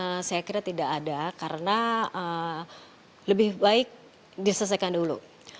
nah saya kira tidak ada karena lebih baik diselesaikan dulu